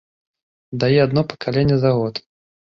Дае адно пакаленне за год.